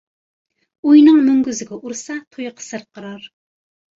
ئۇينىڭ مۈڭگۈزىگە ئۇرسا، تۇيىقى سىرقىرار.